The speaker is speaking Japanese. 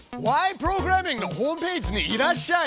プログラミング」のホームページにいらっしゃい！